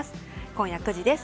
今夜９時です。